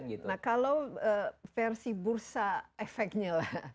nah kalau versi bursa efeknya lah